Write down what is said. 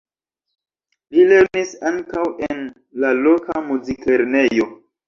Li lernis ankaŭ en la loka muziklernejo.